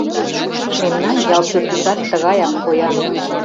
Мемнан ял пӱртӱсат тыгаяк поян.